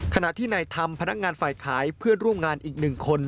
ขณะที่นายธรรมพนักงานฝ่ายขายเพื่อนร่วมงานอีกหนึ่งคน